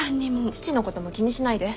父のことも気にしないで。